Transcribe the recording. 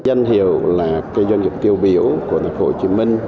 doanh hiệu là doanh nghiệp tiêu biểu của thành phố hồ chí minh